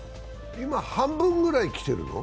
今、半分くらいきてるの？